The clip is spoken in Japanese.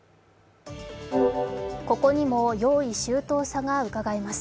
ここにも用意周到さがうかがえます